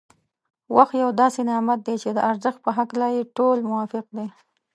وخت یو داسې نعمت دی چي د ارزښت په هکله يې ټول موافق دی.